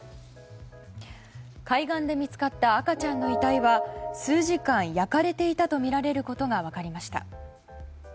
海岸で見つかった赤ちゃんの遺体は数時間、焼かれていたとみられることが分かりました。